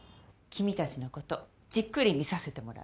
君たちのことじっくり見させてもらうわ。